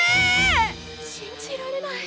信じられない。